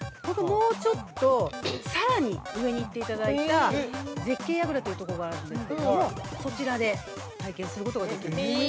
◆もうちょっとさらに上に行っていただいた絶景やぐらというところがあるんですけれどもそちらで体験することができる。